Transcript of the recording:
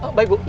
oh baik buk